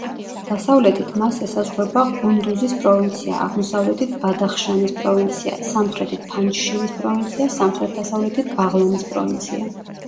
დასავლეთით მას ესაზღვრება ყუნდუზის პროვინცია, აღმოსავლეთით ბადახშანის პროვინცია, სამხრეთით ფანჯშირის პროვინცია, სამხრეთ-დასავლეთით ბაღლანის პროვინცია.